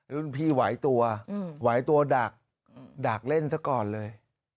รุ่นพี่ไหวตัวไหวตัวดักดักเล่นซะก่อนเลย